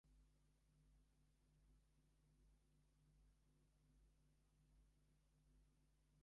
সেই থেকে এখানে পত্তন হয়েছে শিকদার বাড়ির।